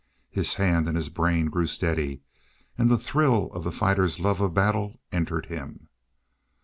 His hand and his brain grew steady, and the thrill of the fighter's love of battle entered him.